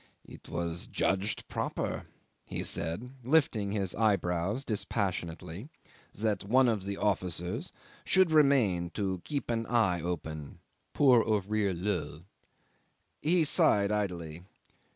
"It was judged proper," he said, lifting his eyebrows dispassionately, "that one of the officers should remain to keep an eye open (pour ouvrir l'oeil)" ... he sighed idly